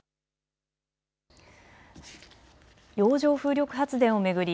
洋上風力発電を巡り